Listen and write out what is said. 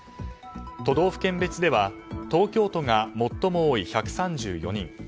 都道府県別では東京都が最も多い１３４人